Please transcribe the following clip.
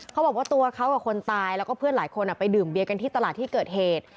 เขาบอกว่าตัวเขากับคนตายแล้วก็เพื่อนหลายคนไปดื่มเบียกันที่ตลาดที่เกิดเหตุ